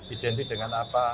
identik dengan apa